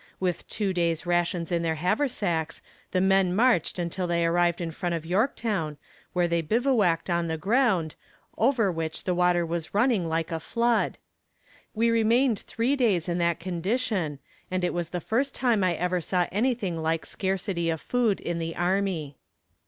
With two days' rations in their haversacks, the men marched until they arrived in front of Yorktown, where they bivouacked on the ground, over which the water was running like a flood. We remained three days in that condition, and it was the first time I ever saw anything like scarcity of food in the army.